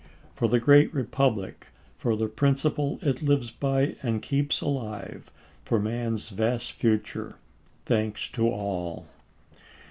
For the great Republic — for the principle it lives by and keeps alive — for man's vast future — thanks to all.